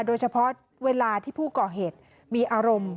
เวลาที่ผู้ก่อเหตุมีอารมณ์